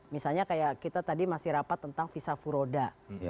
misalnya kayak kita tadi masih rapat tentang visa furoda